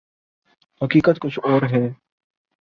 حقیقت کچھ اور ہے۔